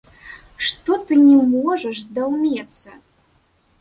Што ты не можаш здаўмецца.